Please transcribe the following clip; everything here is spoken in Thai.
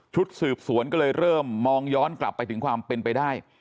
สืบสวนก็เลยเริ่มมองย้อนกลับไปถึงความเป็นไปได้